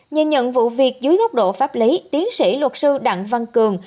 nhìn nhận vụ việc dưới góc độ pháp lý tiến sĩ luật sư đặng văn cường